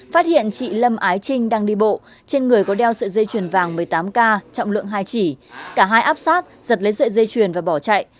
phát hiện chị lâm ái trinh đang đi bộ trên người có đeo sợi dây chuyền vàng một mươi tám k trọng lượng hai chỉ cả hai áp sát giật lấy sợi dây chuyền và bỏ chạy